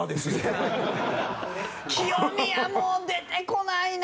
中居：清宮、もう出てこないな。